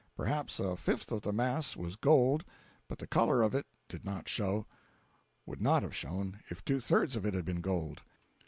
Perhaps a fifth of the mass was gold, but the color of it did not show—would not have shown if two thirds of it had been gold.